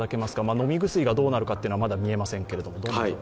飲み薬がどうなるかはまだ見えませんけど。